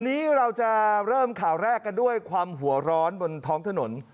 วันนี้เราจะเริ่มข่าวแรกกันด้วยความหัวร้อนบนท้องถนน